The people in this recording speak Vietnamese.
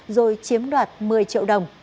rồi chiếm đoạt một mươi triệu đồng